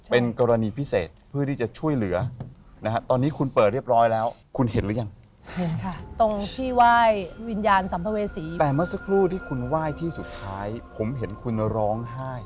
สักรูที่คุณไหว้ที่สุดท้ายผมเห็นคุณร้องไห้